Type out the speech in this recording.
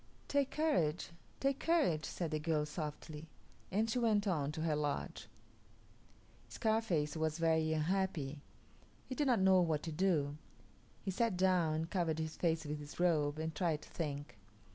"Take courage, take courage," said the girl softly, and she went on to her lodge. Scarface was very unhappy. He did not know what to do. He sat down and covered his face with his robe, and tried to think.